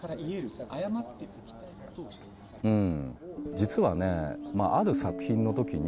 実はねある作品のときに。